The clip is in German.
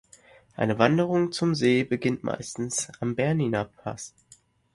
Eine Wanderung zum See beginnt meist am Berninapass.